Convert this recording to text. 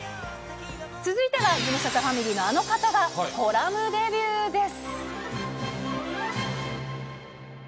続いてはズムサタファミリーのあの方が、コラムデビューです。